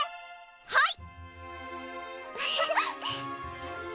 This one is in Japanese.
はい！